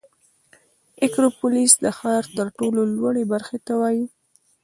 اکروپولیس د ښار تر ټولو لوړې برخې ته وایي.